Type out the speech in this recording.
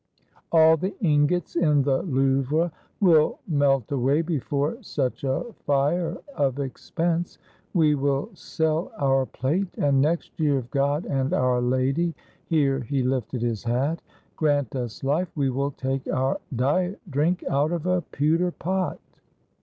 All the ingots in the Louvre will melt away before such a fire of expense ! We will sell our plate! And next year, if God and our Lady" (here he hfted his hat) "grant us life, we will take our diet drink out of a pewter pot."